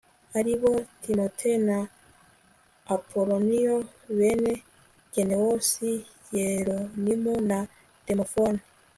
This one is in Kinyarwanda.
ari bo timote na apoloniyo bene genewosi, yeronimu na demofoni